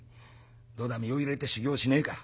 『どうだ身を入れて修業しねえか。